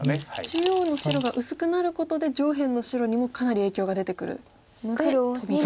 中央の白が薄くなることで上辺の白にもかなり影響が出てくるのでトビが。